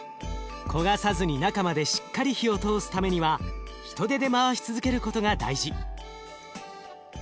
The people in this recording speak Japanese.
焦がさずに中までしっかり火を通すためには人手で回し続けることが大事。